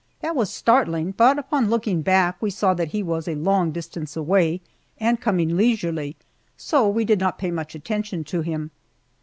That was startling, but upon looking back we saw that he was a long distance away and coming leisurely, so we did not pay much attention to him.